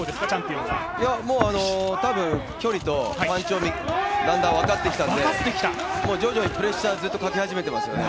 多分、距離とパンチがだんだん分かってきたんで徐々にプレッシャーずっとかけ始めてますよね。